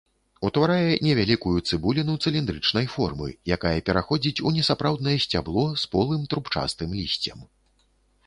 Утварае невялікую цыбуліну цыліндрычнай формы, якая пераходзіць у несапраўднае сцябло з полым трубчастым лісцем.